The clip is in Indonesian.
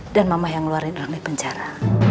dan mama yang keluarin lang dari penjara